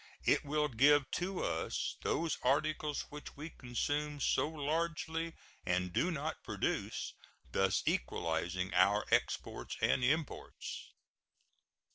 It will give to us those articles which we consume so largely and do not produce, thus equalizing our exports and imports.